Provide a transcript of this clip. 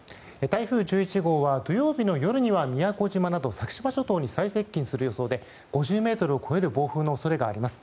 台風１１号は土曜日の夜には宮古島など、先島諸島に最接近する予想で５０メートルを超える暴風の恐れがあります。